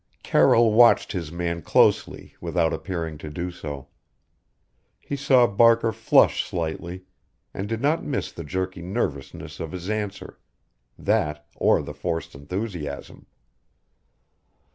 Carroll watched his man closely without appearing to do so. He saw Barker flush slightly, and did not miss the jerky nervousness of his answer that or the forced enthusiasm.